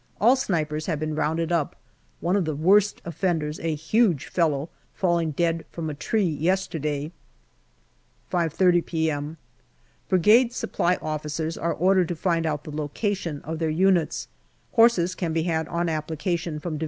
All snipers have been rounded up, one of the worst offenders, a huge fellow, falling dead from a tree yesterday. 5.30 p.m. Brigade Supply Officers are ordered to find out the location of their units. Horses can be had on application from D.H.